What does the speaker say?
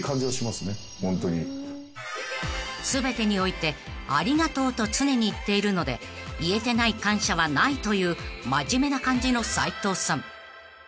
［全てにおいてありがとうと常に言っているので言えてない感謝はないという真面目な感じの斉藤さん］